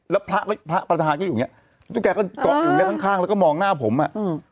แล้วพระธาตุก็อยู่อย่างเงี้ยทุกแขก็เกาะอยู่ในข้างแล้วก็มองหน้าผมอ่ะ